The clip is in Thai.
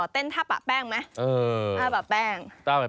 เต้นท่าปะแป้งไหมปะแป้ง